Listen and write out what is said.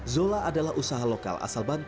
zola adalah usaha lokal asal bantu